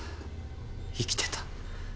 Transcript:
生きてた。